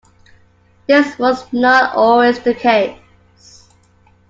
This was not always the case.